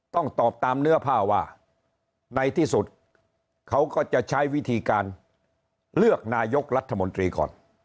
ต้องตอบตามเนื้อผ้าว่าในที่สุดเขาก็จะใช้วิธีการเลือกนายกรัฐมนตรีก่อน